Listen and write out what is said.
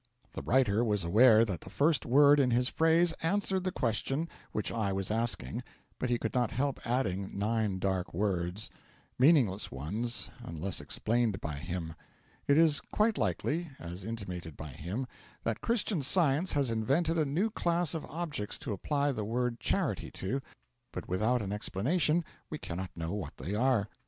The writer was aware that the first word in his phrase answered the question which I was asking, but he could not help adding nine dark words. Meaningless ones, unless explained by him. It is quite likely as intimated by him that Christian Science has invented a new class of objects to apply the word charity to, but without an explanation we cannot know what they are.